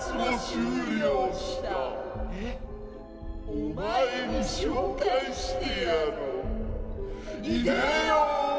お前に紹介してやろう。いでよ！